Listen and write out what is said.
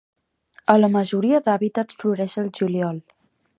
A la majoria d'hàbitats floreix al juliol.